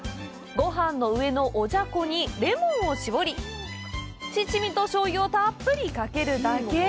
ごはんの上のおじゃこにレモンを搾り七味と醤油をたっぷりかけるだけ。